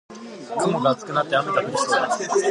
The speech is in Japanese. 雲が厚くなって雨が降りそうです。